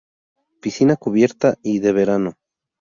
Piscina cubierta y de verano.